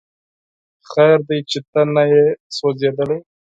خیر دی چې ته نه یې سوځېدلی